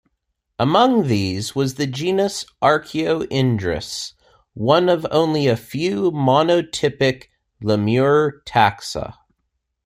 Among these was the genus "Archaeoindris", one of only a few monotypic lemur taxa.